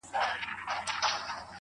ه بيا دي سترگي سرې ښكاريږي_